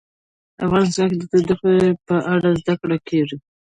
افغانستان کې د تودوخه په اړه زده کړه کېږي.